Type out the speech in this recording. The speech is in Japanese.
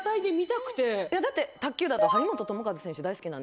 だって卓球だと張本智和選手大好きなんですけど。